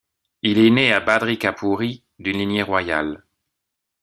Il est né à Bhadrikapuri d'une lignée royale.